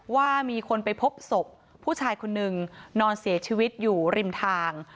ว่ามีคนไปพบศพผู้ชายคนนึงนอนเสียชีวิตอยู่ริมทาง